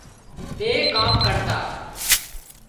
ٻي ڪام ڪرتا